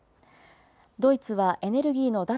ドイツはエネルギーの脱